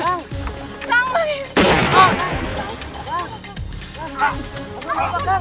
setiap katanya minta berjaga jaga omong omong